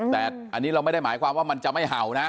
แต่อันนี้เราไม่ได้หมายความว่ามันจะไม่เห่านะ